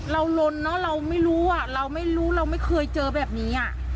ลนเนอะเราไม่รู้อ่ะเราไม่รู้เราไม่เคยเจอแบบนี้